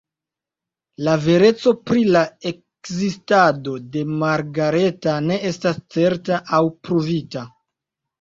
La vereco pri la ekzistado de Margareta ne estas certa aŭ pruvita.